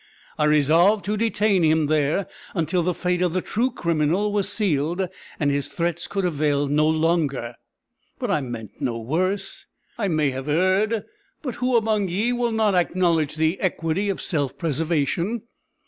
I resolved to detain him there until the fate of the true criminal was sealed and his threats could avail no longer; but I meant no worse. I may have erred but who among ye will not acknowledge the equity of self preservation?